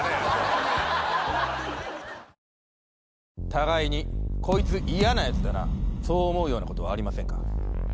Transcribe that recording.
互いにコイツ嫌なヤツだなそう思うようなことはありませんか？